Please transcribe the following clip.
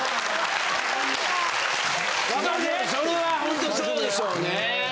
それはホントそうでしょうね。